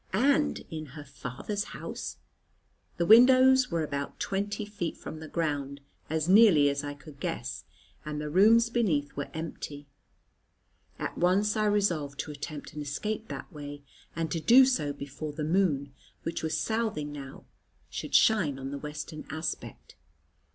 And in her father's house? The windows were about twenty feet from the ground, as nearly as I could guess, and the rooms beneath were empty. At once I resolved to attempt an escape that way, and to do so before the moon, which was southing now, should shine on the western aspect.